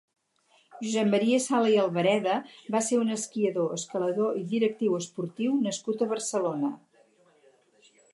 Josep Maria Sala i Albareda va ser un esquiador, escalador i directiu esportiu nascut a Barcelona.